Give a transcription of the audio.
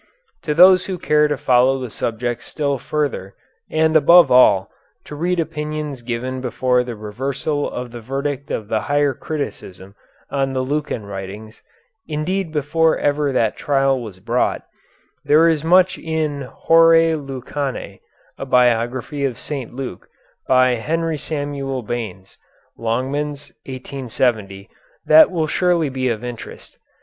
To those who care to follow the subject still further, and above all, to read opinions given before the reversal of the verdict of the higher criticism on the Lucan writings, indeed before ever that trial was brought, there is much in "Horæ Lucanæ A Biography of St. Luke," by Henry Samuel Baynes (Longmans, 1870), that will surely be of interest.